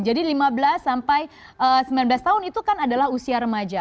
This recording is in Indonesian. jadi lima belas sampai sembilan belas tahun itu kan adalah usia remaja